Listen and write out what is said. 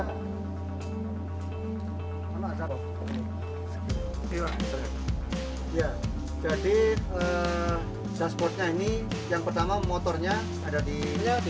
jadi dashboardnya ini yang pertama motornya ada di